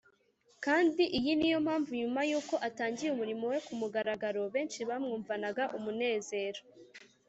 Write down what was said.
. Kandi iyi niyo mpamvu, nyuma y’uko atangiye umurimo we ku mugaragaro, benshi bamwumvanaga umunezero